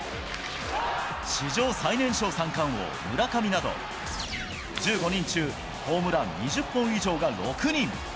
史上最年少三冠王、村上など、１５人中、ホームラン２０本以上が６人。